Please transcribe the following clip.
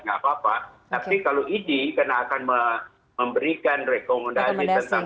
nggak apa apa tapi kalau idi karena akan memberikan rekomendasi tentang